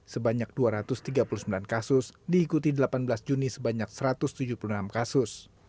sebanyak dua ratus tiga puluh sembilan kasus diikuti delapan belas juni sebanyak satu ratus tujuh puluh enam kasus